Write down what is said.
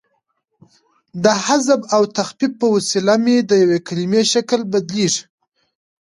د حذف او تخفیف په واسطه هم د یوې کلیمې شکل بدلیږي.